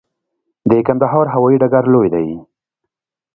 د کندهار هوايي ډګر لوی دی